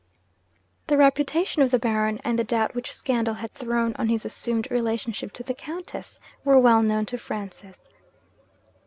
The reputation of the Baron, and the doubt which scandal had thrown on his assumed relationship to the Countess, were well known to Francis.